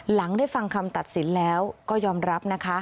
หลังได้ฟังคำตัดสินแล้วก็ยอมรับนะคะ